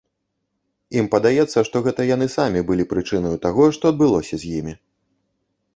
Ім падаецца, што гэта яны самі былі прычынаю таго, што адбылося з імі.